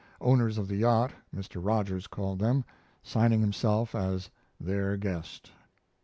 "Owners of the yacht," Mr. Rogers called them, signing himself as "Their Guest."